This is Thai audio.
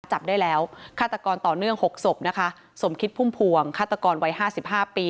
จับได้แล้วฆาตกรต่อเนื่องหกศพนะคะสมคิดพุ่มพวงฆาตกรวัยห้าสิบห้าปี